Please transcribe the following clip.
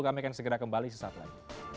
kami akan segera kembali sesaat lagi